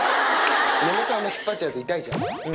根元、あんまり引っ張っちゃうと痛いじゃん。